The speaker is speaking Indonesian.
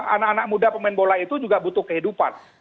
anak anak muda pemain bola itu juga butuh kehidupan